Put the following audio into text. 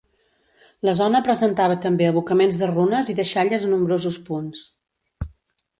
La zona presentava també abocaments de runes i deixalles a nombrosos punts.